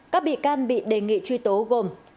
các bị can bị đề nghị truy tố gồm